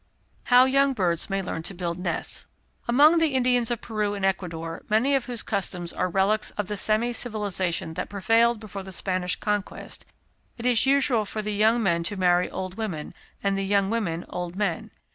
How young Birds may learn to build Nests. "Among the Indians of Peru and Ecuador, many of whose customs are relics of the semi civilisation that prevailed before the Spanish conquest, it is usual for the young men to marry old women, and the young women old men.